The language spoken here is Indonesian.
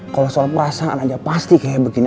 kalau soal perasaan aja pasti kayak begini